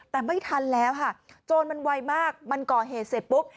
แต่ไม่ทันแล้วค่ะโจรมันไวมากมันก่อเหตุเสร็จปุ๊บ